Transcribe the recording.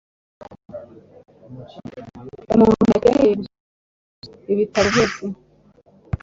Umuntu ntakeneye gusoma ibitabo byose